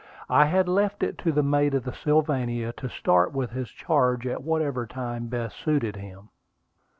I had left it to the mate of the Sylvania to start with his charge at whatever time best suited him.